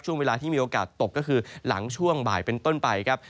ช่วงเวลาที่มีโอกาสตกก็คือหลังช่วงบ่ายเป็นต้นไปครับ